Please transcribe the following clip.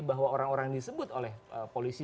bahwa orang orang yang disebut oleh polisi